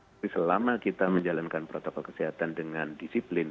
tapi selama kita menjalankan protokol kesehatan dengan disiplin